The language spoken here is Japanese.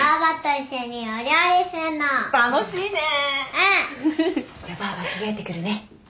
うん！じゃばあば着替えてくるね。